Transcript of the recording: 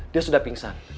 dia sudah pingsan